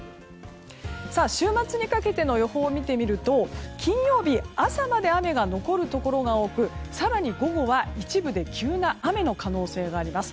週末にかけての予報を見てみると金曜日朝まで雨が残るところが多く更に、午後は一部で急な雨の可能性があります。